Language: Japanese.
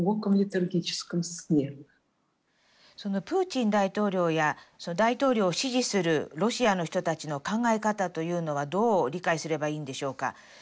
プーチン大統領や大統領を支持するロシアの人たちの考え方というのはどう理解すればいいんでしょうか？